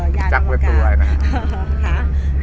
สำหรับฉากเปิดตัวหลายเดือนมาก